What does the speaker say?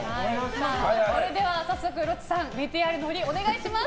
それでは早速、ロッチさんＶＴＲの振りお願いします。